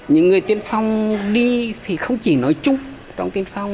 những người tiên phong đi thì không chỉ nói chung trong tiên phong